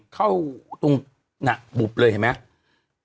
เข้าตรงหนักบุบเลยเห็นไหม